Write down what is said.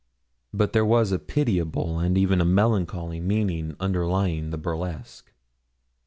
But there was a pitiable and even a melancholy meaning underlying the burlesque.